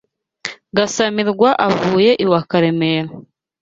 Gasamirwa avuye iwa Karemera